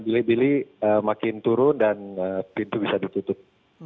bili bili makin turun dan pintu bisa ditutup